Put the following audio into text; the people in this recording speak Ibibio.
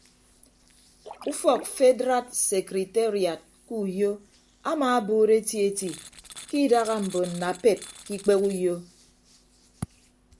Ufọk fedraad sekriteriad ke uyo amaabuuro eti eti ke idaha mbon napep ke ikpehe uyo.